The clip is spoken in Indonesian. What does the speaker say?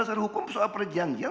dasar hukum soal perjanjian